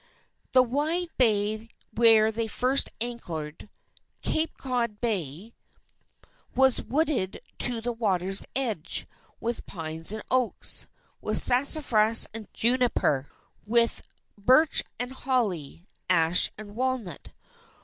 The wide bay where they first anchored Cape Cod Bay was wooded to the water's edge, with pines and oaks, with sassafras and juniper, with birch and holly, ash and walnut.